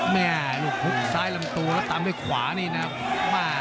แม่ลูกหุบซ้ายลำตัวแล้วตามด้วยขวานี่นะครับ